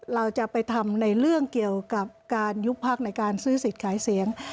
เราจะไปทำในเรื่องเกี่ยวกับการยุบพักในการซื้อสิทธิ์ขายเสียง